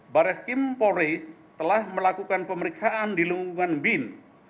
baris kim polri telah melakukan pemeriksaan di lingkungan bin